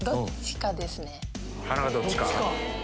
鼻どっちか。